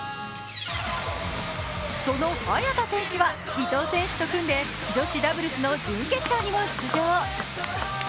その早田選手は伊藤選手と組んで女子ダブルスの準決勝にも出場。